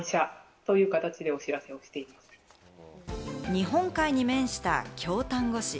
日本海に面した京丹後市。